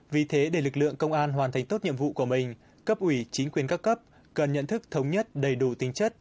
vì thế để lực lượng công an hoàn thành tốt nhiệm vụ của mình cấp ủy chính quyền các cấp cần nhận thức thống nhất đầy đủ tính chất